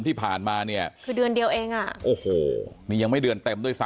ที่ผ่านมาเนี่ยคือเดือนเดียวเองนี่ยังไม่เดือนเต็มโดย